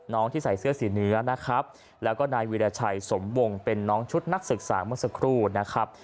ที่ใส่เสื้อสีเนื้อนะครับแล้วก็นายวิราชัยสมวงเป็นน้องชุดนักศึกษาเมื่อสักครู่นะครับ